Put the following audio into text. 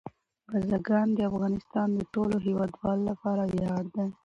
بزګان د افغانستان د ټولو هیوادوالو لپاره ویاړ دی.